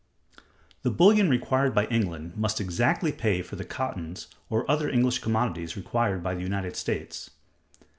The bullion required by England must exactly pay for the cottons or other English commodities required by the United States.